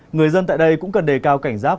người dân tại đây cũng cần đề cao cảnh giác